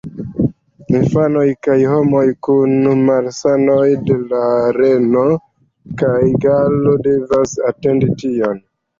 Infanoj kaj homoj kun malsanoj de la reno kaj galo devas atendi tion.